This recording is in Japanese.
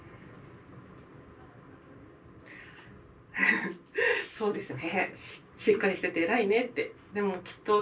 フフフそうですね。